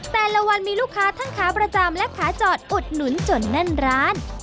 แต่ละวันมีลูกค้าทั้งขาประจำและขาจอดอุดหนุนจนแน่นร้าน